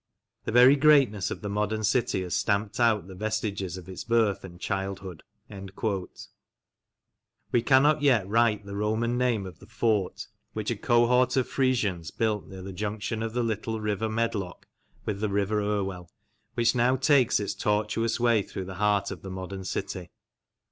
The very greatness of the modern city has stamped out the vestiges of its birth and childhood." We cannot yet write the Roman name of the fort which a cohort of Frisians built near the junction of the little River THE ROMANS IN LANCASHIRE 39 Medlock with the River Irwell, which now takes its tortuous way through the heart of the modern city.